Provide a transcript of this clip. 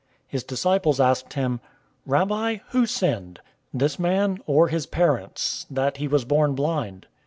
009:002 His disciples asked him, "Rabbi, who sinned, this man or his parents, that he was born blind?"